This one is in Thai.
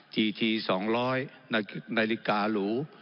ทีที๒๐๐นาฬิการู